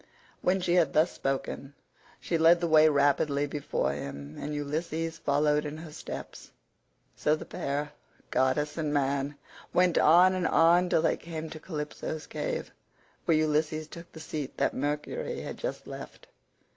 When she had thus spoken she led the way rapidly before him, and Ulysses followed in her steps; so the pair, goddess and man, went on and on till they came to Calypso's cave, where Ulysses took the seat that Mercury had just left.